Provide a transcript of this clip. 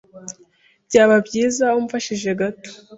Byaba byiza umfashije gato.